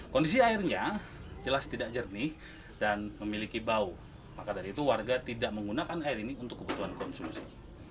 kondisi airnya jelas tidak jernih dan memiliki bau maka dari itu warga tidak menggunakan air ini untuk kebutuhan konsumsi